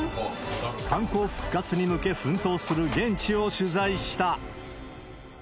観光復活に向け奮闘する現地を取材した。